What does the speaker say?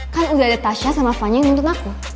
kan udah ada tasha sama fanya yang nuntun aku